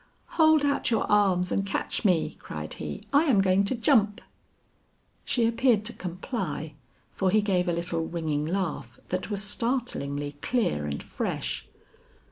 "Hold out your arms and catch me," cried he; "I am going to jump." She appeared to comply; for he gave a little ringing laugh that was startlingly clear and fresh.